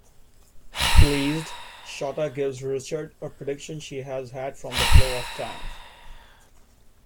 Pleased, Shota gives Richard a prediction she has had from the flow of time.